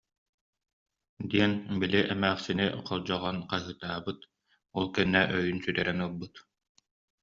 диэн били эмээхсини холдьоҕон хаһыытаабыт, ол кэннэ өйүн сүтэрэн ылбыт